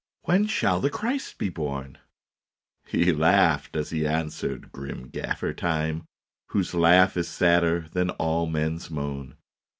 When shall the Christ be born? " He laughed as he answered, grim Gaffer Time, Whose laugh is sadder than all men s moan.